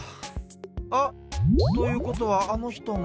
あ！ということはあのひとも。